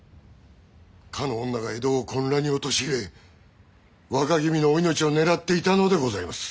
かの女が江戸を混乱に陥れ若君のお命を狙っていたのでございます。